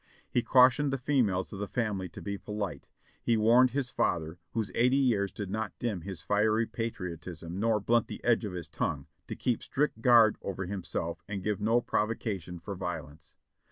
He cau tioned the females of the family to be polite ; he warned his father, whose eighty years did not dim his fiery patriotism nor blunt the edge of his tongue, to keep strict guard over himself and give no provocation for violence.